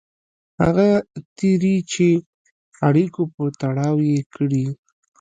هغه تېري چې اړیکو په تړاو یې کړي.